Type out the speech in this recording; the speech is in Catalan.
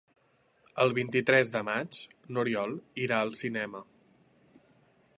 El vint-i-tres de maig n'Oriol irà al cinema.